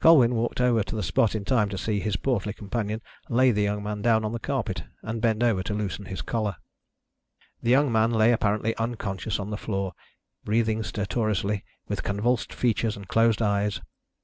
Colwyn walked over to the spot in time to see his portly companion lay the young man down on the carpet and bend over to loosen his collar. The young man lay apparently unconscious on the floor, breathing stertorously, with convulsed features and closed eyes.